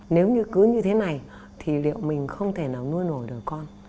nếu như cứ như thế này thì liệu mình không thể nào nuôi nổi được con